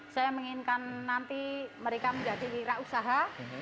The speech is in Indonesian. saya menginginkan nanti mereka menjadi wira usaha